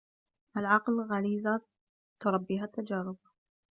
العقل غريزة تربيها التجارب